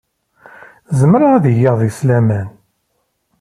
Zemreɣ ad geɣ deg-s laman.